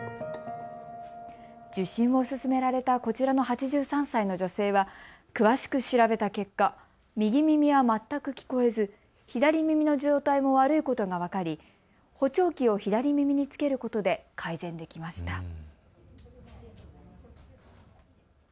受診を勧められたこちらの８３歳の女性は詳しく調べた結果、右耳は全く聞こえず、左耳の状態も悪いことが分かり補聴器を左耳に着けることで改善できました。